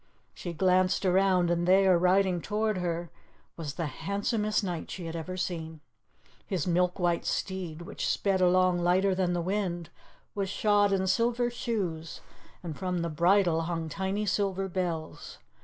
She glanced around, and there, riding toward her, was the handsomest knight she had ever seen. His milk white steed, which sped along lighter than the wind, was shod in silver shoes, and from the bridle hung tiny silver bells.